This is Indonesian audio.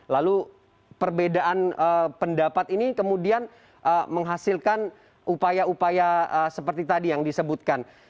lalu perbedaan pendapat ini kemudian menghasilkan upaya upaya seperti tadi yang disebutkan